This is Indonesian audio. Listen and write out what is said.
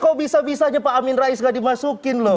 kok bisa bisa aja pak amin rais gak dimasukin loh